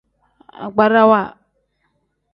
Agbarawa.